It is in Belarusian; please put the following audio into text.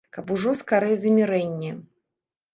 Каб ужо скарэй замірэнне!